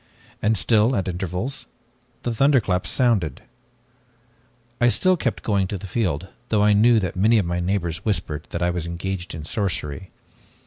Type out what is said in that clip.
And still, at intervals, the thunderclaps sounded. "I still kept going to the field, though I knew that many of my neighbors whispered that I was engaged in sorcery.